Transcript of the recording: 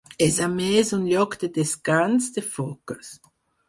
És a més un lloc de descans de foques.